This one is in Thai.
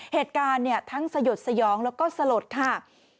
เหตุการณ์เนี่ยทั้งสยดสยองแล้วก็สลดค่ะ